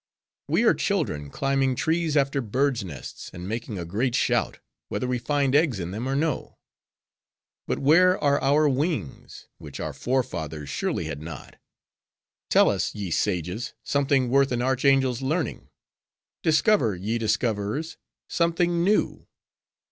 We are children, climbing trees after birds' nests, and making a great shout, whether we find eggs in them or no. But where are our wings, which our fore fathers surely had not? Tell us, ye sages! something worth an archangel's learning; discover, ye discoverers, something new.